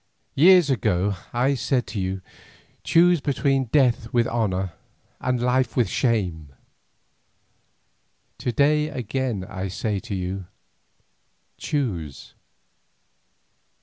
Years ago I said to you, Choose between death with honour and life with shame! To day again I say to you, Choose!